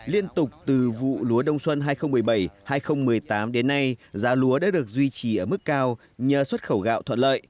liên tục từ vụ lúa đông xuân hai nghìn một mươi bảy hai nghìn một mươi tám đến nay giá lúa đã được duy trì ở mức cao nhờ xuất khẩu gạo thuận lợi